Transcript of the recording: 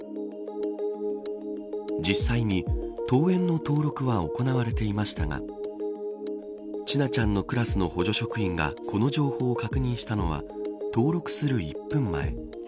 実際に登園の登録は行われていましたが千奈ちゃんのクラスの補助職員がこの情報を確認したのは登録する１分前。